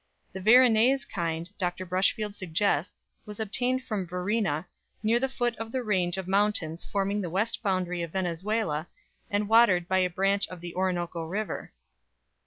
The "Varinaes" kind, Dr. Brushfield suggests, was obtained from Varina, near the foot of the range of mountains forming the west boundary of Venezuela, and watered by a branch of the Orinoco River.